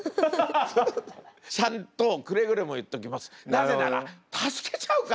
なぜなら助けちゃうから。